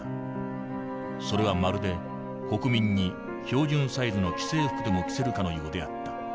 それはまるで国民に標準サイズの既製服でも着せるかのようであった。